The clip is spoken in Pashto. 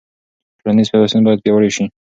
ټولنیز پیوستون باید پیاوړی سي.